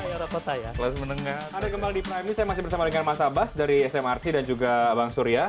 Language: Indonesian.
hari ini kembali di prime ini saya masih bersama dengan mas abbas dari smrc dan juga bang sudha